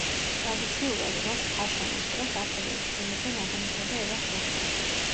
ტრადიციულად, როშ ჰაშანას დროს, ასევე იხსენებენ ადამისა და ევას შექმნას.